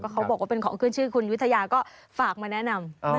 เขาบอกว่าเป็นของขึ้นชื่อคุณวิทยาก็ฝากมาแนะนำ